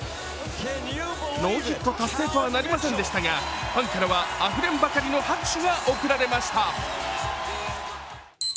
ノーヒット達成とはなりませんでしたがファンからは、あふれんばかりの拍手が送られました。